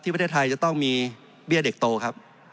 ประเทศไทยจะต้องมีเบี้ยเด็กโตครับ